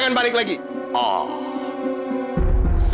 diusir dari rumah ini